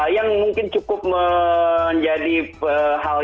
yang mungkin cukup menjadi hal yang menarik dari enam orang ini dalam komposisi baru adalah